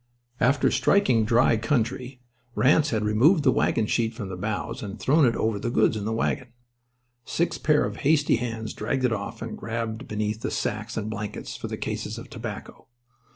After striking dry country Ranse had removed the wagon sheet from the bows and thrown it over the goods in the wagon. Six pair of hasty hands dragged it off and grabbled beneath the sacks and blankets for the cases of tobacco.